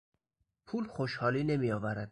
پول خوشحالی نمیآورد.